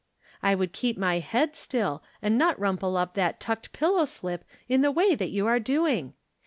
" I would keep my head still, and not rumple up that tucked piUow slip in the way that you are doing.